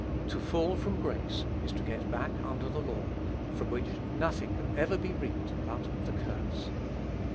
To fall from grace, is to get back under the law, from which nothing can ever be reaped but "the CURSE."